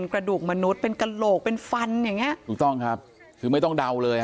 กระดูกมนุษย์เป็นกระโหลกเป็นฟันอย่างเงี้ยถูกต้องครับคือไม่ต้องเดาเลยอ่ะ